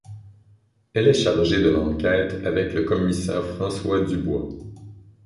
Elle est chargée de l'enquête avec le commissaire François Dubois.